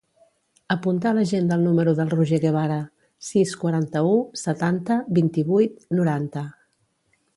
Apunta a l'agenda el número del Roger Guevara: sis, quaranta-u, setanta, vint-i-vuit, noranta.